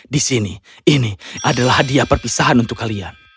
di sini ini adalah hadiah perpisahan untuk kalian